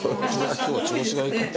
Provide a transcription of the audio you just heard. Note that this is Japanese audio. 今日は調子がいいかも。